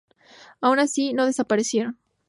Aun así, no desaparecieron.